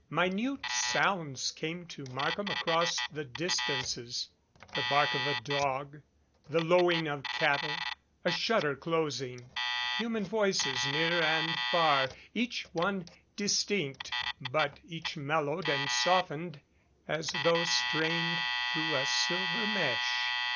Minute sounds came to Markham across the distances, the bark of a dog, the lowing of cattle, a shutter closing, human voices near and far, each one dis tinct, but each mellowed and softened as though strained through a silver mesh.